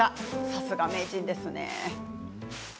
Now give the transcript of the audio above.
さすが名人です。